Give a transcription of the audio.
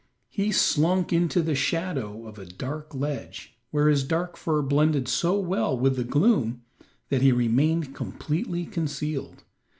He slunk into the shadow of a dark ledge, where his dark fur blended so well with the gloom that he remained completely concealed.